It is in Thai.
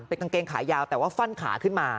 เป็นกางเกงขายาวแต่ว่าฟั่นขาขึ้นมา